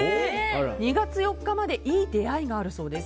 ２月４日までいい出会いがあるそうです。